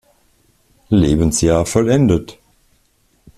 Lebensjahr vollendet.